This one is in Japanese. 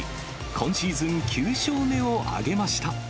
今シーズン９勝目を挙げました。